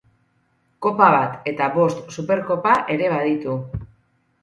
Kopa bat eta bost Superkopa ere baditu.